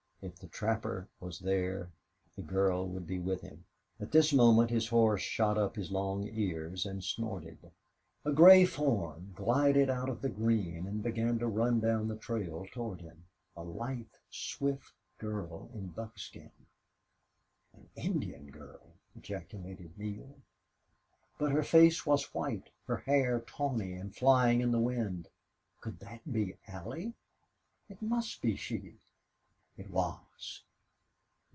If the trapper was there, the girl would be with him. At this moment his horse shot up his long ears and snorted. A gray form glided out of the green and began to run down the trail toward him a lithe, swift girl in buckskin. "An Indian girl!" ejaculated Neale. But her face was white, her hair tawny and flying in the wind. Could that be Allie? It must be she. It was.